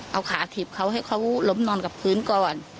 เอาขาถีบเขาให้เขาล้มนอนกับพื้นก่อน